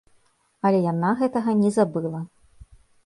Але яна гэтага не забыла.